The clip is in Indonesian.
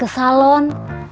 masih ke salon